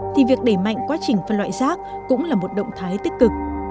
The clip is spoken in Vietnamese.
thì việc đẩy mạnh quá trình phân loại rác cũng là một động thái tích cực